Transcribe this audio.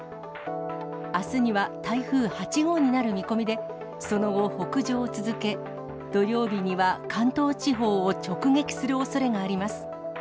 あすには、台風８号になる見込みで、その後、北上を続け、土曜日には、関東地方を直撃するおそれがあります。